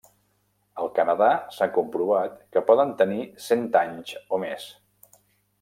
Al Canadà s'ha comprovat que poden tenir cent anys o més.